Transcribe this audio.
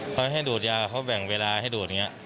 เขาให้ดูดยาเขาแบ่งเวลาให้ดูดอย่างนี้